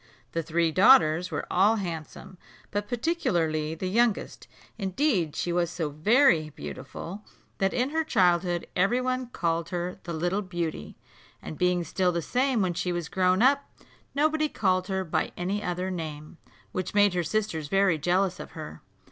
The three daughters were all handsome, but particularly the youngest: indeed she was so very beautiful that in her childhood every one called her the Little Beauty, and being still the same when she was grown up, nobody called her by any other name, which made her sisters very jealous of her.